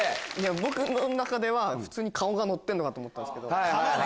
僕の中では普通に顔がのってるのかと思ったんです。